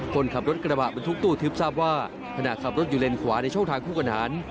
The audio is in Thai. คนขับรถกระบะบรรทุกตู้ทึบทราบว่าขณะขับรถอยู่เลนขวาในช่องทางคู่กันหาร